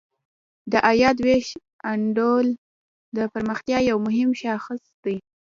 د عاید ویش انډول د پرمختیا یو مهم شاخص دی.